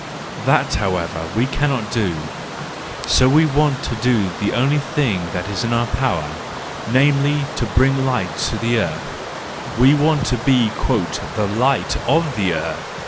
That, however, we cannot do:—so we want to do the only thing that is in our power: namely, to bring light to the earth, we want to be " the light of the earth